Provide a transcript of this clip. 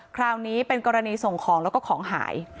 คราวนี้เป็นกรณีส่งของแล้วก็ของหาย